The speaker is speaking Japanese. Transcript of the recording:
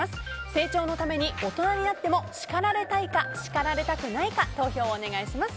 成長のために大人になっても叱られたいか、叱られたくないか投票をお願いします。